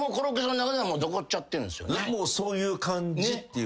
そういう感じっていう。